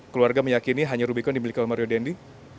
keluarga meyakini hanya rubicon dimiliki oleh mario dendi